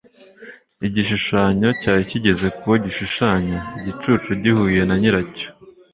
igishushanyo cyari kigeze k'uwo gishushanya, igicucu gihuye na nyiracyo.